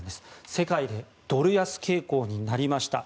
世界でドル安傾向になりました。